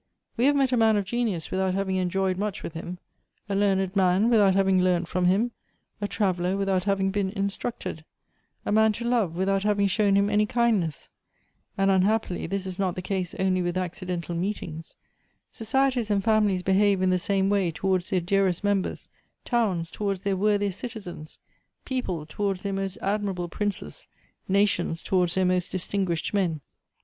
We have met a man of genius without having enjoyed much with him, — a learned man without having leamt fi'om him, — a traveller without having been instructed, — a man to love without having shown him any kind ness. " And, unhappily, this is not the case only with acci dental meetings. Societies, and families behave in the same way towards their dearest members, towns towards their worthiest citizens, people towards their most admi rable princes, nations towards their most distinguished men.